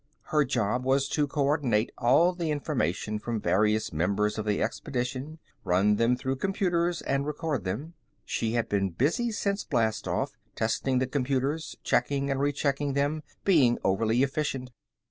Her job was to co ordinate all the information from various members of the expedition, run them through the computers, and record them. She had been busy since blastoff, testing the computers, checking and rechecking them, being overly efficient.